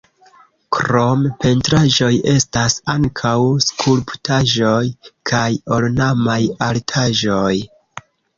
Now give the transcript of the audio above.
Krom pentraĵoj estas ankaŭ skulptaĵoj kaj ornamaj artaĵoj.